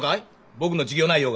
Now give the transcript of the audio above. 僕の授業内容が。